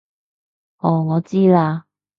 哦我知喇